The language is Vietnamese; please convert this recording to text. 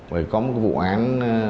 vì có một vụ án